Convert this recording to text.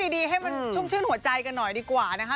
ดีให้มันชุ่มชื่นหัวใจกันหน่อยดีกว่านะคะ